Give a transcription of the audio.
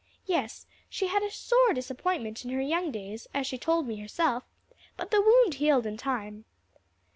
"Yes: she had a sore disappointment in her young days, as she told me herself; but the wound healed in time."